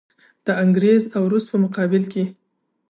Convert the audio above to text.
د انګریز او روس په مقابل کې.